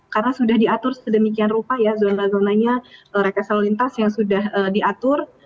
karena sudah diatur sedemikian rupa ya zona zonanya rekesel lintas yang sudah diatur